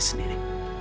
buatkan acara ini